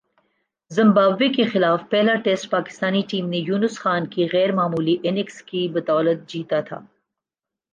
Zimbabwe کے خلاف پہلا ٹیسٹ پاکستانی ٹیم نے یونس خان کی غیر معمولی اننگز کی بدولت جیتا تھا